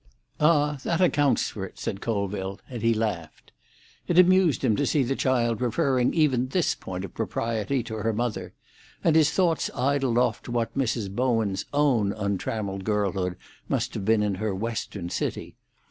"Ah, that accounts for it," said Colville, and he laughed. It amused him to see the child referring even this point of propriety to her mother, and his thoughts idled off to what Mrs. Bowen's own untrammelled girlhood must have been in her Western city.